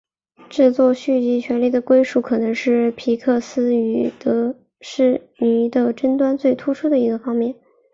制作续集权利的归属可能是皮克斯与迪士尼的争端最突出的一个方面。